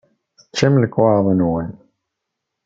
Teččam lekwaɣeḍ-nwen.